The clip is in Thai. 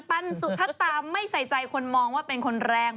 พูดตรงเป็นคนพูดตรง